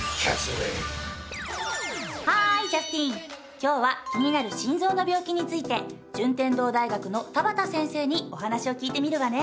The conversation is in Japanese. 今日は気になる心臓の病気について順天堂大学の田端先生にお話を聞いてみるわね。